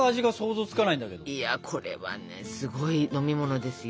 いやこれはねすごい飲み物ですよ。